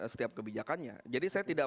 setiap kebijakannya jadi saya tidak